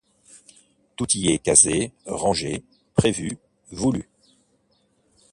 Tout y était casé, rangé, prévu, voulu.